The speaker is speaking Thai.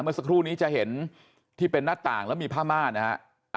เมื่อสักครู่นี้จะเห็นที่เป็นหน้าต่างแล้วมีผ้าม่านะฮะ